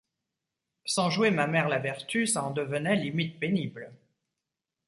Sans jouer ma mère-la-vertu, ça en devenait limite pénible.